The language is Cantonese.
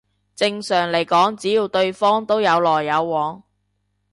正常嚟講只要對方都有來有往